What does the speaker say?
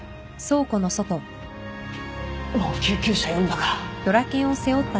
もう救急車呼んだから。